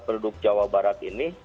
perhubung jawa barat ini